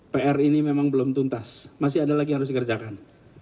pr ini memang belum tuntas masih ada lagi yang harus dikerjakan